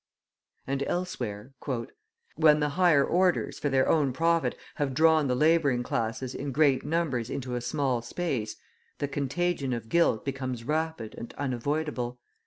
And elsewhere: "When the higher orders for their own profit have drawn the labouring classes in great numbers into a small space, the contagion of guilt becomes rapid and unavoidable.